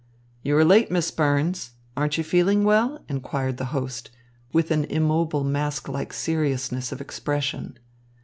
"You are late, Miss Burns. Aren't you feeling well?" inquired the host, with an immobile mask like seriousness of expression.